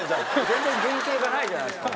全然原形がないじゃないですか